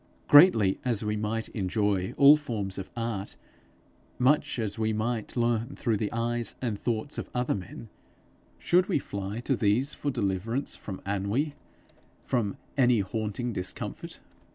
Greatly as we might enjoy all forms of art, much as we might learn through the eyes and thoughts of other men, should we fly to these for deliverance from ennui, from any haunting discomfort?